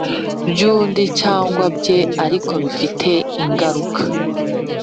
By undi cyangwa bye ariko bifite ingaruka